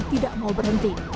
dan tidak mau berhenti